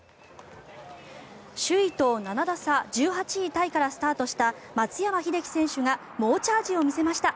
首位と７打差１８位タイからスタートした松山英樹選手が猛チャージを見せました。